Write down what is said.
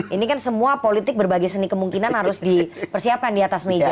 ini kan semua politik berbagai seni kemungkinan harus dipersiapkan di atas meja